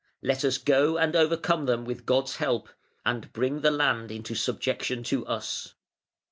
Let us go and overcome them with God's help, and bring the land into subjection to us".